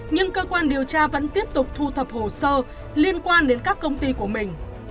nhưng cơ quan điều tra vẫn tiếp tục thu thập hồ sơ liên quan đến các công ty của mình